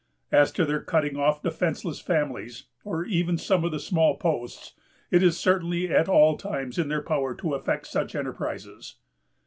As to their cutting off defenceless families, or even some of the small posts, it is certainly at all times in their power to effect such enterprises....